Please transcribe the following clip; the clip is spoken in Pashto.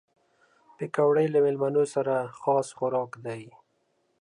پکورې له مېلمنو سره خاص خوراک دي